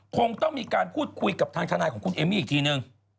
คงต้องมีการพูดคุยกับทางทนายของคุณเอมมี่อีกทีนึง